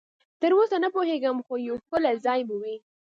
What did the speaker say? تراوسه نه پوهېږم، خو یو ښکلی ځای به وي.